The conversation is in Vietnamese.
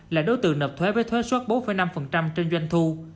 là đối tượng sẽ nộp thuế với thuế suất bốn năm trên doanh thu